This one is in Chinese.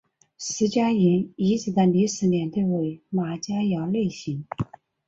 石家营遗址的历史年代为马家窑类型。